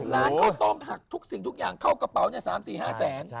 ร้านข้าวต้มหักทุกสิ่งทุกอย่างเข้ากระเป๋านี่สามสี่ห้าแสน